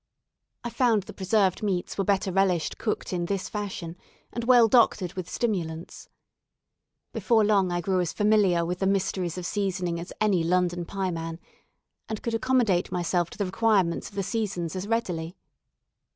I found the preserved meats were better relished cooked in this fashion, and well doctored with stimulants. Before long I grew as familiar with the mysteries of seasoning as any London pieman, and could accommodate myself to the requirements of the seasons as readily.